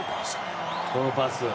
このパス。